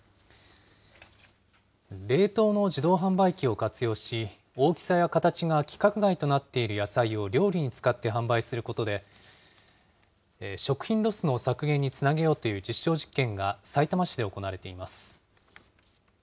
冷凍の自動販売機を活用し、大きさや形が規格外となっている野菜を料理に使って販売することで、食品ロスの削減につなげようという実証実験が、さいたま市で行われています。